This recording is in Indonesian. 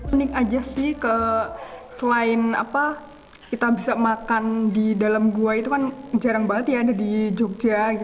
unik aja sih selain kita bisa makan di dalam gua itu kan jarang banget ya ada di jogja